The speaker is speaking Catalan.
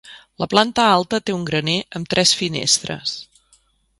La planta alta té un graner amb tres finestres.